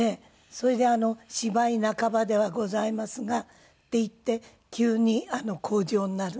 それで「芝居半ばではございますが」って言って急に口上になるんです。